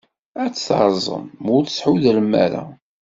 Ad t-terẓem ma ur tḥudrem ara.